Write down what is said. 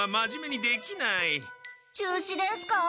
中止ですか？